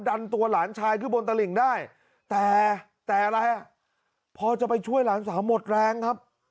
ดันตัวหลานชายขึ้นบนตลิ่งได้แต่แต่อะไรอ่ะพอจะไปช่วยหลานสาวหมดแรงครับ